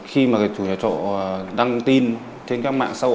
khi mà chủ nhà trọ đăng tin trên các mạng